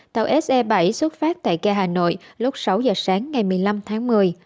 tàu se bảy xuất phát tại ga hà nội lúc sáu giờ sáng ngày một mươi năm tháng một mươi